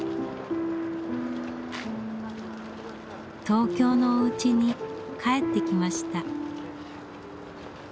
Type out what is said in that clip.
東京のおうちに帰ってきました。